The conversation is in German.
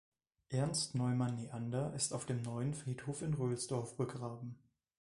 Ernst Neumann-Neander ist auf dem neuen Friedhof in Rölsdorf begraben.